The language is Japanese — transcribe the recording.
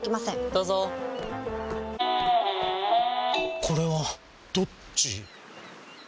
どうぞこれはどっち？